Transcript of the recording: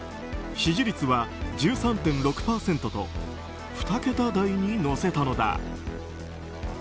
支持率は１３．６％と２桁台に乗せたのだ。